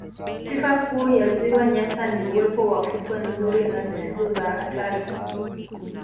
Sifa kuu ya ziwa Nyasa ni uwepo wa fukwe nzuri na zisizo za hatari